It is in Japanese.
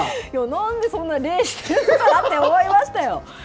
なんでそんな冷静にしてるのかなと思いましたよ。